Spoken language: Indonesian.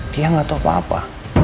dia gak tau apa apa